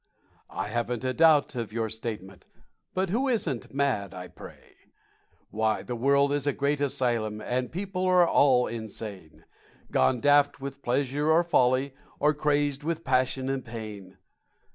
I haven't a doubt of your statement, But who isn't mad, I pray? Why, the world is a great asylum, And people are all insane, Gone daft with pleasure or folly, Or crazed with passion and pain.